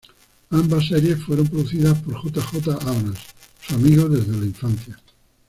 Ambas series fueron producidas por J. J. Abrams, su amigo desde la infancia.